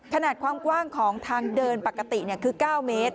ขนาดความกว้างของทางเดินปกติคือ๙เมตร